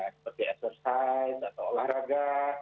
seperti exercise atau olahraga